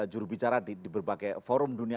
jurubicara di berbagai forum dunia